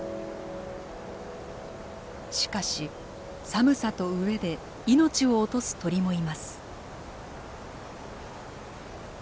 しかし寒さと飢えで命を落とす鳥もいます。